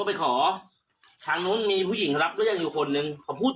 เวลาเลิกตั้งมาไหว้ทุกคนเลย